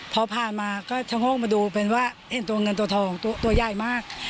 พอผ่านมาก็ชะโงกมาดูเป็นว่าเห็นตัวเงินตัวทองตัวใหญ่มาก